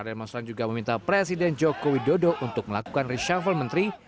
demonstran juga meminta presiden joko widodo untuk melakukan reshuffle menteri